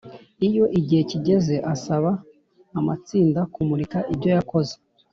iyo igihe kigeze asaba amatsinda kumurika ibyo yakoze.